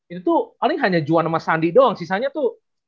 itu tuh paling hanya juan sama sandi doang sisanya tuh